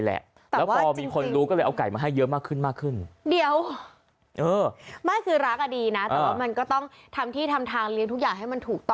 ล่าสุดมีทางออกมีทางออกให้